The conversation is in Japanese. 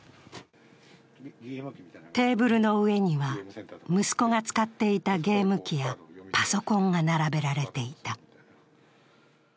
テーブルの上には息子が使っていたゲーム機やパソコンが並べられていた。